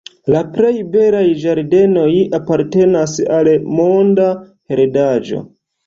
La plej belaj ĝardenoj apartenas al Monda Heredaĵo.